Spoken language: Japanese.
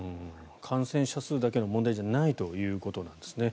感染者数だけの問題じゃないということですね。